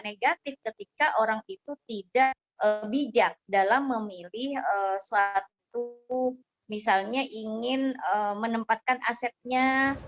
negatif ketika orang itu tidak bijak dalam memilih suatu misalnya ingin menempatkan asetnya